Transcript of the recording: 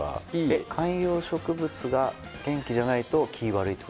観葉植物が元気じゃないと気悪いってことですか？